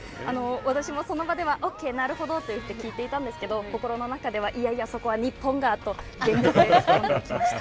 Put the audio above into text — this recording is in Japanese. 私もその場では、オーケー、なるほどと言って聞いてたんですけれども、心の中では、いやいやそこは日本がと全力で突っ込んできました。